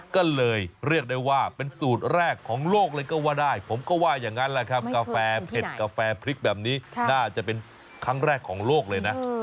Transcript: ก็เลยเรียกได้ว่าเป็นสูตรแรกของโลกเลยก็ว่าได้ผมก็ว่าอย่างนั้นแหละครับกาแฟเผ็ดกาแฟพริกแบบนี้น่าจะเป็นครั้งแรกของโลกเลยนะ